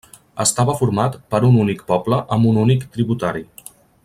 Estava format per un únic poble amb un únic tributari.